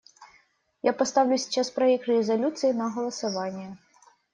Я поставлю сейчас проект резолюции на голосование.